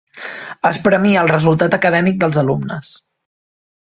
Es premia el resultat acadèmic dels alumnes.